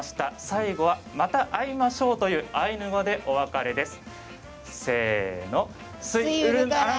最後はまた会いましょうというアイヌ語でお別れです。